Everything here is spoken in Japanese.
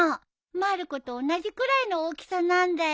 まる子と同じくらいの大きさなんだよ。